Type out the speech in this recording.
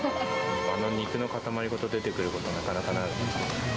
あの肉の塊ごと出てくること、なかなかないので。